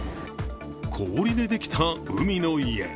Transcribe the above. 氷でできた海の家。